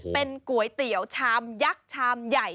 เป็นก๋วยเตี๋ยวชามยักษ์ชามใหญ่